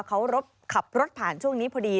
เขาขับรถผ่านช่วงนี้พอดี